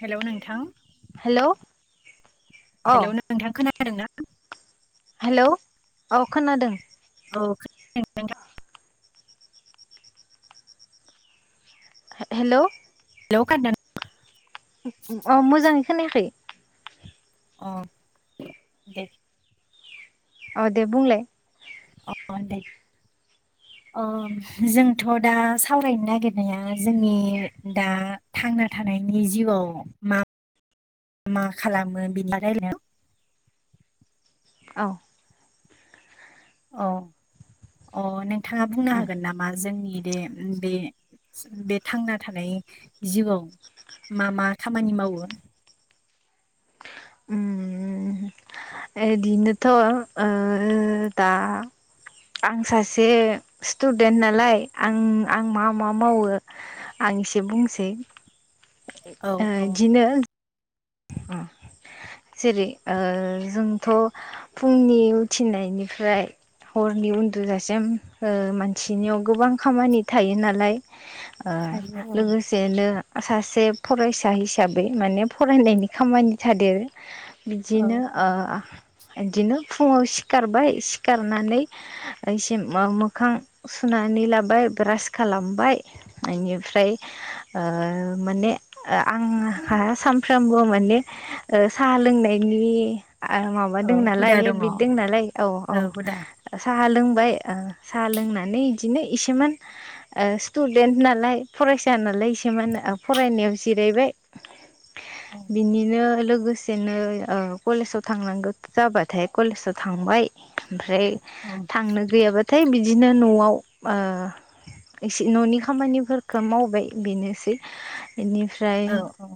Hello नोंथां hello अ hello नोंथां खोना खोनादोंना हेलौ औ खोनादों औ हेलौ हेलौ खारदों अ मोजाङै खोनायाखै अ दे औ दे बुंलाय अ अ दे [inaudible] अ जोंथ' दा सावरायनो नागिरनाया जोंनि दा थांना थानाय नायनि जिउआव मा मा खालामो बिनि रायलाय औ अ अ नोंथाङा बुंनो उम हागोन नामा जोंनि बे बे बे थांना थानाय जिउआव मा मा खामानि मावो उम ओ दिनोथ' दा आं सासे स्टुदेन्ट नालाय आं आं मा मा मावो आं एसे बुंसै औ औ इदिनो अ जेरै जोंथ' फुंनि उथिनायनिफ्राय हरनि उन्दुजासिम मानसिनियाव गोबां खामानि थायो नालाय आं थायो औ लोगोसेनो सासे फरायसा हिसाबै माने फरायनायनि खामानि थादेरो औ बिदिनो औ आं बिदिनो फुङाव सिखारबाय सिखारनानै एसे मोखां सुनानै लाबाय ब्रास खालामबाय इनिफ्राय माने आंहा सानफ्रामबो माने आ साहा लोंनायनि आं माबा औ दं नालाय हुदा दङ औ हेबिट दं नालाय औ औ हुदा साहा लों बाय साह लोंनानै बिदिनो इसे स्टुडेथ नालाय फरायसा नालाय नायसोमोन फरायनायाव जिरायबाय औ बिनिनो लोगो लोगोसेनो कलेजाव थांनांगौ जाबाथाय कलेजाव थांबाय ओमफ्राय औ थांनो गैयाबाथाय बिदिनो न'आव एसे न'नि खामानिफोरखौ मावबाय बेनोसै बेनिफ्राय औ औ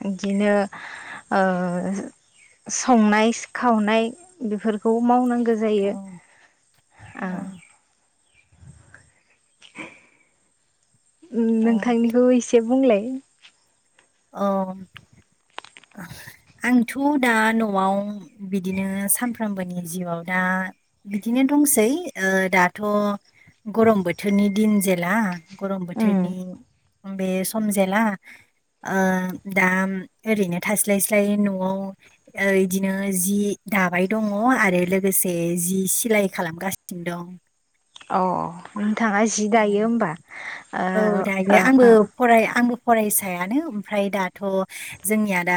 बिदिनो ओ संनाय खावनाय बेफोरखौ मावनांगौ गो औ जायो आ औ औ नोंथांनिखौ एसे बुंलाय औ आंथ' दा न'आव बिदिनो सानफ्रोमबोनि जिउआव दा बिदिनो दंसै दाथ' गरम बोथोरनि दिन जेला गरम उम बोथोरनि बे सम जेला ओ दा ओरैनो थास्लाय स्लाय न'आव इदिनो जि द दाबाय दङ आरो लोगोसे जि सिलाय खालामगासिनो दं। औ औ नोंथाङा जि दायो हबा औ दायो ओ ओ आंबो ओ फराय आंबो फरायसायानो ओमफ्राय दाथ' जोंनिया दा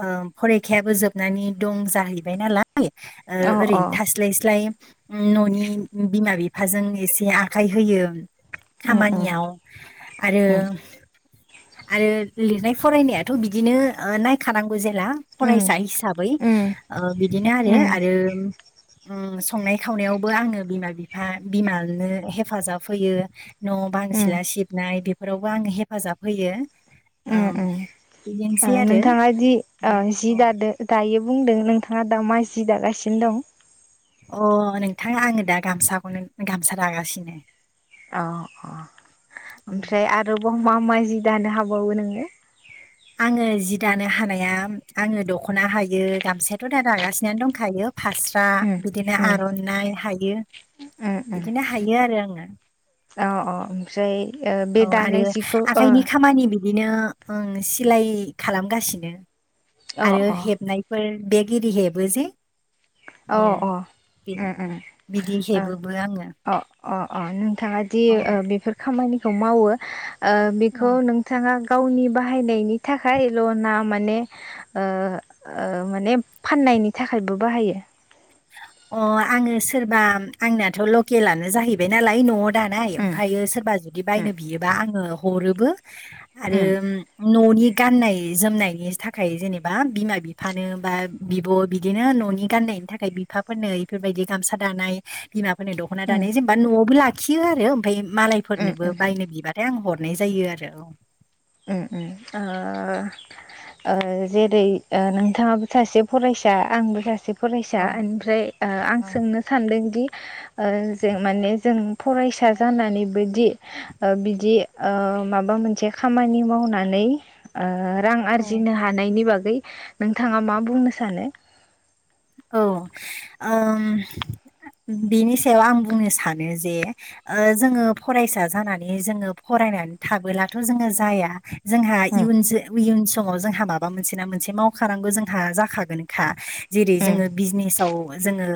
ओ फरिखायाबो जोबनानै दं जाहैबाय नालाय ओ अ ओरैनो थास्लाय स्लाय न'नि बिमा बिफाजों एसे आखाय होयो उम उम खामानियाव आरो उम आरो लिरनाय फरायनायाथ' बिदिनो नायखानां जेला उम फरायसा हिसाबै उम ओ बिदिनो आरो उम आरो ओ संनाय खावनायावबो आङो बिमा बिफा बिमानो हेफाजाब होयो न' बां उम सिला सिबनाय बेफोरावबो आङो हेफाजाब होयो उ ओम उ ओ बिदिनोसै आरो नोंथाङादि दा ओ जि अ दादो दायो बुंदों नोंथाङा दा मा जि दागासिनो दं अ नोंथाङा आङो दा गामसाखौनो गामसा लागासिनो अ अ ओमफ्राय आरो ब मा मा जि दानो हाबावो नोङो आङो जि दानो हानाया आङो दख'ना हायो गामसायथ' दा दागासिनो दंखायो। फास्रा उम बिदिनो उम आर'नाइ हायो उम उम बिदिनो हायो आरो आङो अ अ ओमफ्राय ओ बे औ आरो दानाय जिखौ ओ आखाइनि अ खामानि बिदि बिदिनोओं सिलाय खालामगासिनो आरो अ हेबनायफोर बेग एरि हेबो जे औ अ अ उम बि- उम बिदि हेबोबो आङो ओ अ अ नोंथाङा दि अ बेफोर खामानि खौ मावो ओ औ बेखौ नोंथाङा गावनि बाहायनायनि थाखाय लना माने ओ ओ माने फाननाय नायनि थाखायबो बाहायो। अ आङो सोरबा आंनियाथ' लकेलानो जाहैबाय नालाय न' दानाय उम ओमफ्रायो सोरबा जुदि उम बायनो बियोबा आङो हरोबो उम आरो न'नि गाननाय जोमनायनि थाखाय जेनेबा बिमा बिफानो बा बिब' बिदिनो न'नि गाननायनि थाखाय बि बिफाफोरनो इफोरबायदि गामसा दानाय बिमाफोरनो दख'ना उम दानाय जेनेबा न'आवबो लाखियो आरो ओमफ्राय मा उम मालायफोरनोबो उम बायनो बिबाथाय आं हरनाय जायो आरो औ उ उ ओ ओ जेरै ओ नोंथाङाबो सासे फरायसा आंबो सासे फरायसा औ। ओमफ्राय ओ आं औ सोंनो सानदोंदि? ओ जों माने जों फरायसा जानानैबोदि बिदि ओ माबा मोनसे खामानि मावनानै ओ रां औ। आरजिनो हानायनि बागै नोंथाङा मा बुंनो सानो? औ ओम बिनि सायाव आं बुंनो सानो जे ओ जोङो फरायसा जानानै जोङो फराय थाबोलाथ जोङो ‌‌जाया जोंहा उम इयुन जो इयुन स समाव जोंहा माबा मोनसे ना मोनसे मावखानांगौ जोंहा जाखागोनखा। बेजोङो बिजनेसाव जोङो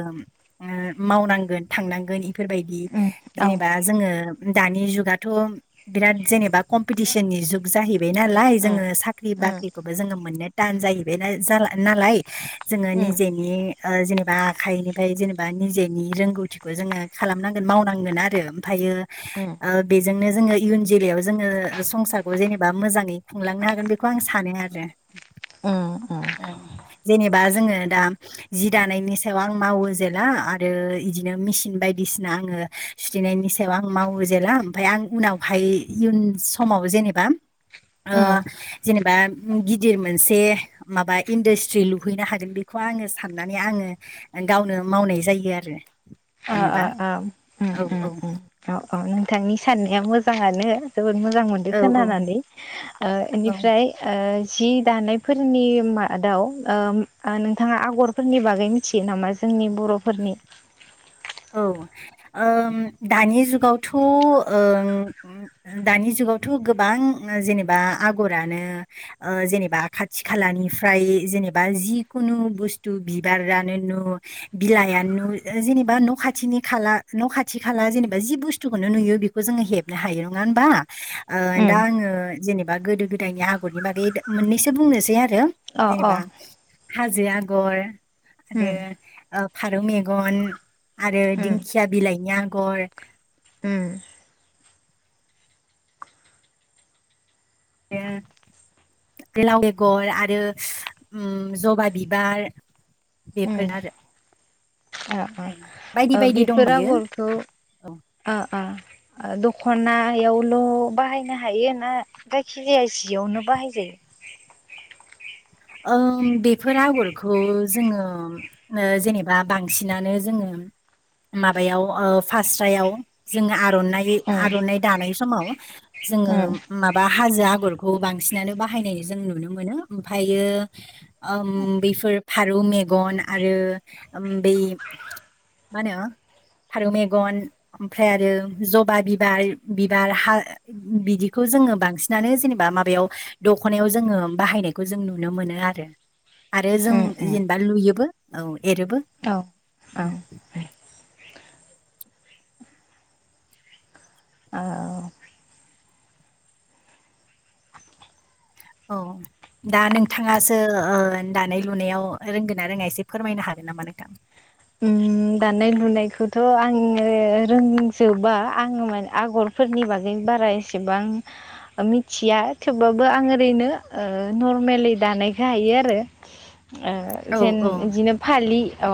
मावनांगोन थांनांगोन बेफोरबायदि उम औ जेनेबा जोङो दानि जुगाथ' बिराद जेनेबा कम्पिटिसननि जुग जाहैबाय नालाय ओ जोङो साख्रि ओ बाख्रिखौबो जोङो मोननो टान जाहैबाय नालाय। जोंहानि जेनेबा आखाइनिफ्राय जेनेबा निजेनि रोंगौथिखौ जोङो खालामनांगोन मावनांगोन आरो। फाइयो उम बेजोंनो जोङो इयुन जोलैायाव जोङो संसारखौ जेनेबा मोजाङै खुंलांनो हागोन बेखौ आं सानो आरो। जेनेबा जोङो दा जि दानायनि सायाव आं मावो जेला आरो बिदिनो मेसिन बायदिसिना आङो सुथेनायनि सायाव आं मावो जेला ओमफफ्राय आं उनावहाय इयुन समाव जेनेबा ओ उम जेनेबा गिदिर मोनसे माबा इन्डास्ट्रि लुहैनो हागोन बे खौ आङो साननानै आङो गावनो मावनाय जायो आरो ओ ओ जेनेबा ओम उम औ उम औ उम अ अ नोंथांनि साननाया मोजाङानो। जोबोद मोजां मोनदो औ औ खोनानानै। ओ औ इनिफ्राय ओ जि दानायफोरनि मादाव ओम ओ नोंथाङा आगरफोरनि बागै मिथियो नामा जों नि बर'फोरनि औ ओम दानि जुगावथ' ओं दानि जु गावथ' गोबां जेनेबा आगरानो ओ जेनेबा खाथि खालानिफ्राय जेनेबा जिकुनु बुस्तु बिबारानो नु बिलाइयानो नु जेनेबा न' खाथिनि खाला न' खाथि खाला जेनेबा जि बुस्थुखौनो नुयो बेखौ जोङो हेबनो हायो। नङा होमबा? ओ दा अ आङो जेनेबा गोदो गोदायनि आगरनि बागै मोननैसो बुंनोसै आ रो अ जेनेबा हाजो आगर आरो उम ओ फारौ मेगन आरो उम दिंखिया बिलाइनि आगर उम [unintelligible] बे लाव बेगर आरो ओम जबा बिबार। बेफोर आरो अ अ। औ बायदि ओ बायदि बेफोर दंबायो आगरखौ ओ औ ओ आ दख'नायावल' बाहायनो हायो ना जायखिजाया जियावनो बाहाय जायो? ओम बेफोर आगरखौ जोङो ओ जेनेबा बांसिनानो जोङो [unintelligible] माबायाव ओ फास्रायाव जोङो आर'नाइ उम आर'नाइ दानाय समाव जोङो उम माबा हाजो आगरखौ बांसिनानो बाहायनाय जों नुनो मोनो। ओम फायो ओम बेफोर फारौ मेगन आरो ओम बै मानो फारौ मेगन ओमफ्राय आरो जबा बिबार बिबार हा बिदिखौ जोङो बांसिनानो जेनेबा माबायाव दख'नायाव जोङो बाहायनाय खौ जों नुनो मोनो आरो आरो जों उम उम जेनेबा लुयोबो औ। एरोबो। औ औ औ औ। दा नोंथाङासो ओ दानाय लुनायाव रोंगोन ना रोङा एसे फोरमायनो हागोन नामा नोथां? उम उम दानाय लुनायखौथ' आङो रोंजोबा आङो माने आगरफोरनि बागै बारा एसेबां मिथिया थेवबाबो आं ओरैनो ओ नरमेलि दा नायखो हायो आरो ओ औ जेन औ बिदिनो फालि अ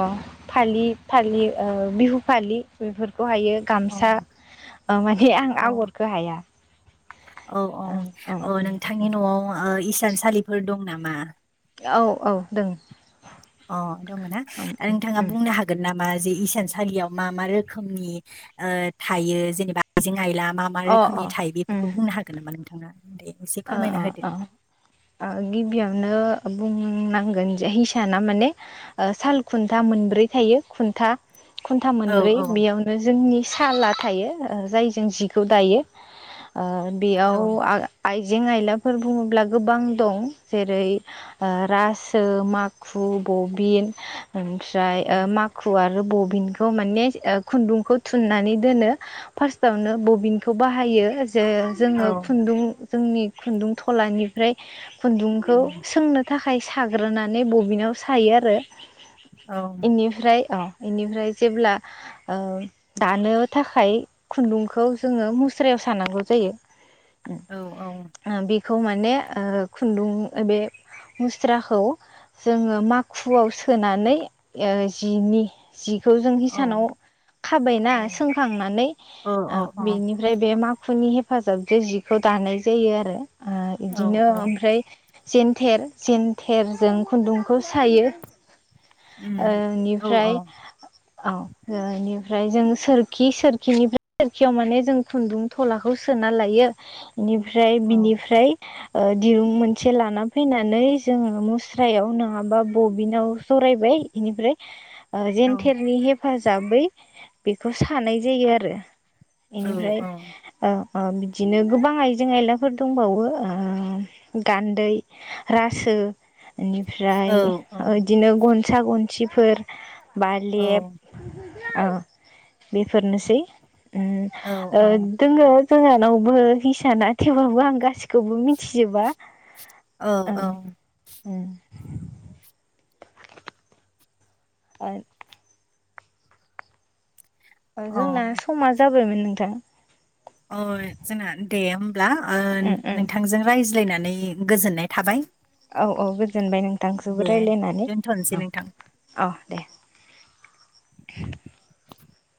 फालि फालि ओ बिहु फालि बेफोर खौ हायो औ गामसा माने आं औ आगरखो हाया। औ औ ओं ओं औ नोंथांनि न'आव ओ इसानसालिफोर दं नामा? औ औ दों। अ दङ' ना उम दा उम नोंथाङा उम बुंनो हागोन ना मा जि इसान सालियाव मा मा रोखोमनि ओ थायो जेनेबा आइजें आइला मा मा अ अ रोखोमनि थायो बेफोरखौ उम बुंनो हागोन नामा नोंथाङा? दे एसे अ फोरमायना अ होदो अ। ओ गिबियावनो बुंनांगोन जे हिसाना माने ओ साल खुन्था मोनब्रै थायो खुन्था खुन्था औ मोनब्रै औ बेयावनो जोंनि साला थायो ओ जायजों जिखौ दायो। ओ औ बेयाव आ आइजें आयलाफोर बुङोब्ला गोबां दं। जेरै ओ रासो, माखु बबिन, ओमफ्राय ओ माखुवा आरो बबिनखौ माने खुन्दुंखौ थुननानै दोनो फार्स्टावनो बबिनखौ बाहायो। जे औ जोङो खुन्दुं जोंनि खुन्दुं थलानिफ्राय औ खुन्दुंखौ सोंनो थाखाय साग्रोनानै बबिनाव सायो आरो। बेनिफ्राय औ। बेनिफ्राय जेब्ला दानो थाखाय खुन्दुंखौ जोङो मुस्रायाव सानांगौ जायो। औ बेखौ माने खुन्दुं बे मुस्राखौ जोङो माखुआव सोनानै जिनि जिखौ जों हिसानाव खाबायना सोंखांनानै औ बेनिफ्राय बे मा माखुनि हेफाजाबजों जिखौ दानाय जायो आरो औ बिदिनो औ ओमफ्राय। जेनथेर -जेेनथेरजों खुन्दुंखौ सायो। उम औ औ बेनिफ्राय औ। ओमफ्राय जों सोरखि -सोरखिनिफ्राय सोरखियाव माने जों खुन्दुं थलाखौ सोना लायो। बेनिफ्राय औ बिनिफ्राय। दिरुं मोनसे लाना फैनानै जोङो मुस्रायाव नङाबा बबिनाव जरायबाय। इनिफ्राय औ जेेनथेरनि हेफाजाबै बेखौ सानाय जायो आरो। बेनिफ्राय औ बिदिनो गोबां आइजें जों आयलाफोर दंबावो गान्दै, रासो इनिफ्राय बिदिनो गनसा, गनसिफोर, बालेब औ बेफोरनोसै दोङो। जोंहानावबो हिसाना थेवबाबो आं गासिखौबो मिथिजोबा। औ -औ। उम। आरो। औ जोंना समा जाबायमोन नोंथां। अ जोंना दे होमब्ला उम उम नोंथांजों राय रायज्लायनानै गोजोननाय थाबाय। औ - औ गोजोनबाय नोंथांजोंबो दे रायज्लायनानै दोनथ'नोसै नोंथां। औ दे। [inaudible]